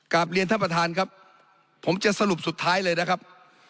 เรียนท่านประธานครับผมจะสรุปสุดท้ายเลยนะครับ